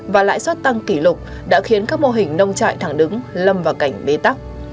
và lãi suất tăng kỷ lục đã khiến các mô hình nông trại thẳng đứng lâm vào cảnh bế tắc